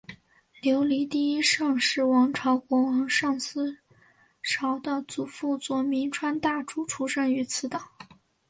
琉球第一尚氏王朝国王尚思绍的祖父佐铭川大主出生于此岛。